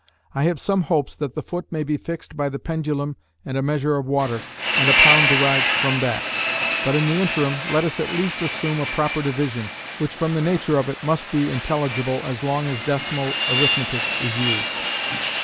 I have some hopes that the foot may be fixed by the pendulum and a measure of water, and a pound derived from that; but in the interim let us at least assume a proper division, which from the nature of it must be intelligible as long as decimal arithmetic is used.